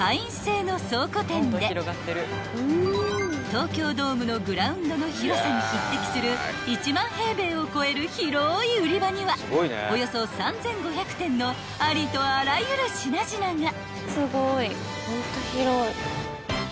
［東京ドームのグラウンドの広さに匹敵する１万平米を超える広い売り場にはおよそ３，５００点のありとあらゆる品々が］